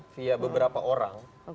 via beberapa orang